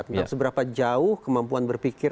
tentang seberapa jauh kemampuan berpikir